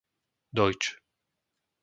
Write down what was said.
Dojč